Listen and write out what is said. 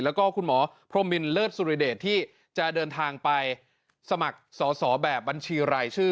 แล้วก็คุณหมอพรมมินเลิศสุริเดชที่จะเดินทางไปสมัครสอสอแบบบัญชีรายชื่อ